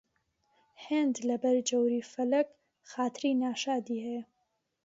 هێند لەبەر جەوری فەلەک خاتری ناشادی هەیە